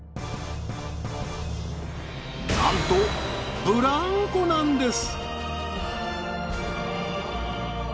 なんとブランコなんです！